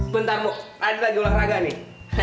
bentar mo tadi lagi olahraga nih